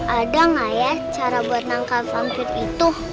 ada nggak ya cara buat nangkal vampir itu